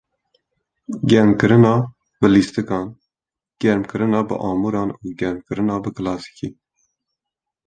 Germkirina bi lîstikan, germkirina bi amûran û germkirina kilasîkî.